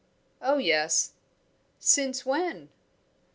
"Oh, yes " "Since when?"